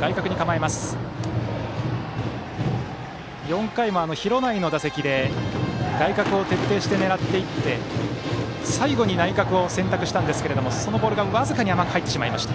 ４回も廣内の打席で外角を徹底して狙っていって最後に内角を選択したんですがそのボールが僅かに甘く入ってしまいました。